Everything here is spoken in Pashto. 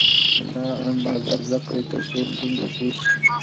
ملا اندازه کړئ ترڅو ستونزه پوه شئ.